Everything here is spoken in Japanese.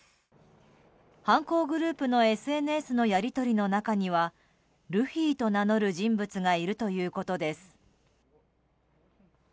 犯行グループのＳＮＳのやり取りの中にはルフィと名乗る人物がいるということです。